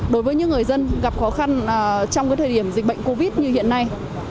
đối với những người dân gặp khó khăn trong thời điểm dịch bệnh covid như hiện nay